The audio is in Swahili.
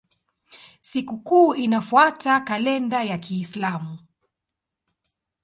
Sikukuu inafuata kalenda ya Kiislamu.